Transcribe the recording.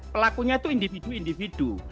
pelakunya itu individu individu